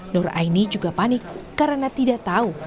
nur aini juga panik karena tidak tahu